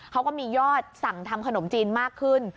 เขาก็มียอดสั่งทำขนมจีนมากขึ้น